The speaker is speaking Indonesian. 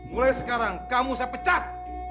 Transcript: mulai sekarang kamu saya pecat